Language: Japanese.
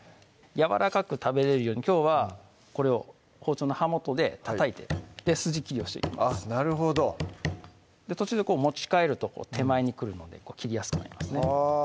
やわらかく食べれるようにきょうはこれを包丁の刃元でたたいて筋切りをしていきますあっなるほど途中で持ち替えると手前に来るので切りやすくなりますね